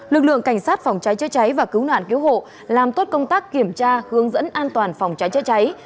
lực lượng cảnh sát phòng cháy chữa cháy và cứu nạn cứu hộ làm tốt công tác kiểm tra hướng dẫn an toàn phòng cháy chữa cháy